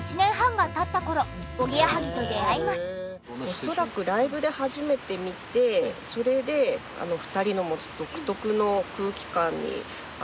そして恐らくライブで初めて見てそれで２人の持つ独特の空気感に圧倒されました。